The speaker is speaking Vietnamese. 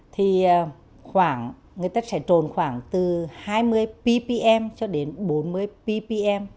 thì người ta sẽ trộn khoảng từ hai mươi ppm cho đến bốn mươi ppm